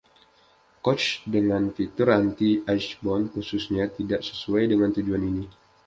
Koch dengan fitur anti-icebound khusus-nya tidak sesuai dengan tujuan ini.